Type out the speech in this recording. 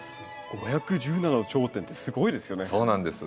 ５１７の頂点ってすごいですよね。